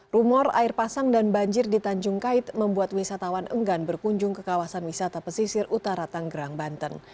rumor air pasang dan banjir di tanjung kait membuat wisatawan enggan berkunjung ke kawasan wisata pesisir utara tanggerang banten